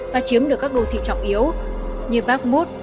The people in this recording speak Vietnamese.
và chiếm được các đô thị trọng yếu như bakhmut